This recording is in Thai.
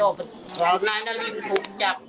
ว่าเอาไปโดดว่านายนาริมถูกจับ